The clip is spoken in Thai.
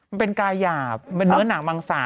มันเป็นกายหยาบเป็นเนื้อหนังมังสา